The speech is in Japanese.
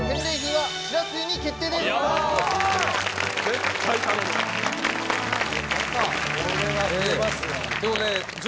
はい。